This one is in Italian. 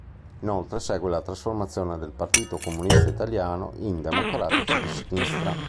Inoltre segue la trasformazione del Partito Comunista Italiano in Democratici di Sinistra.